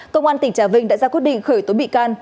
cơ quan tỉnh trà vinh đã ra quyết định khởi tối bị can